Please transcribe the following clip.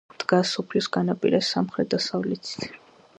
დგას სოფლის განაპირას, სამხრეთ-დასავლეთით.